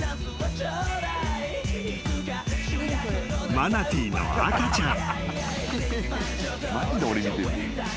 ［マナティーの赤ちゃん］